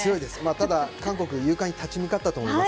ただ、韓国勇敢に立ち向かったと思います。